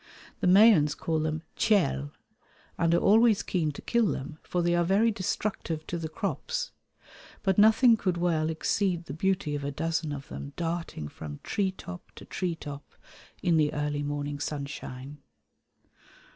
The Mayans call them tchel and are always keen to kill them, for they are very destructive to the crops; but nothing could well exceed the beauty of a dozen of them darting from treetop to treetop in the early morning sunshine.